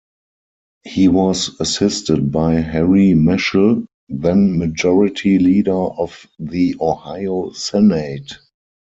He was assisted by Harry Meshel, then majority leader of the Ohio Senate.